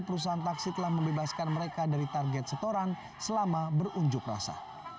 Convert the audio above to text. perusahaan taksi telah membebaskan mereka dari target setoran selama berunjuk rasa